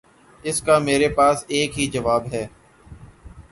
اس کا میرے پاس ایک ہی جواب ہے۔